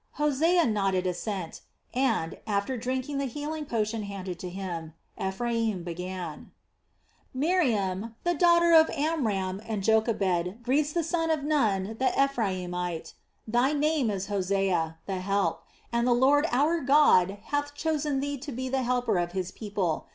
Hosea nodded assent and, after drinking the healing potion handed to him, Ephraim began: "Miriam the daughter of Amram and Jochebed greets the son of Nun the Ephraimite. Thy name is Hosea, 'the Help,' and the Lord our God hath chosen thee to be the helper of His people.